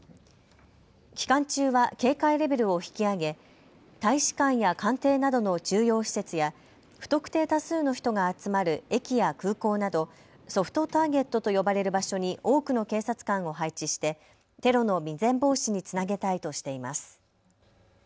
期間中は警戒レベルを引き上げ大使館や官邸などの重要施設や不特定多数の人が集まる駅や空港などソフトターゲットと呼ばれる場所に多くの警察官を配置してテロの未然防止につなげたいとしています。